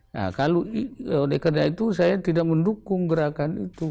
nah kalau karena itu saya tidak mendukung gerakan itu